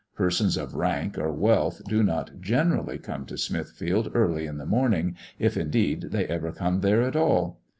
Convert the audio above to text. Persons of rank or wealth do not generally come to Smithfield early in the morning, if, indeed, they ever come there at all.